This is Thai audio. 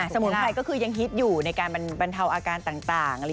สมุนไพรก็คือยังฮิตอยู่ในการบรรเทาอาการต่าง